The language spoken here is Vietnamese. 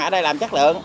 mà ở đây làm chất lượng